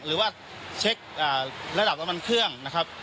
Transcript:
หรือว่าเช็คระดับน้ำมันเครื่องนะครับ